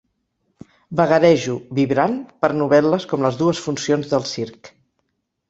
Vagarejo, vibrant, per novel·les com Les dues funcions del circ.